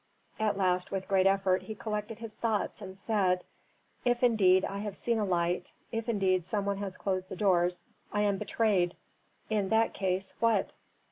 At last, with great effort, he collected his thoughts, and said, "If indeed I have seen a light if indeed some one has closed the doors, I am betrayed. In that case what?"